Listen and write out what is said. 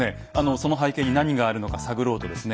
その背景に何があるのか探ろうとですね